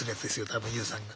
多分ＹＯＵさんが。